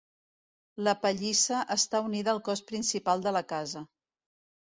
La pallissa està unida al cos principal de la casa.